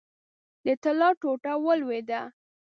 د طلا ټوټه ولوېده.